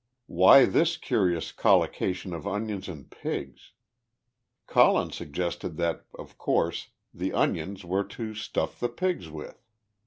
Why this curious collocation of onions and pigs? Colin suggested that, of course, the onions were to stuff the pigs with.